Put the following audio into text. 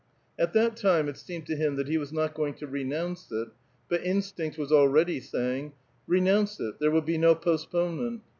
At that time it seemed to 'him that he was not going to renounce it, bat instinct was already saying, " Re nounce it ; there will be no postponement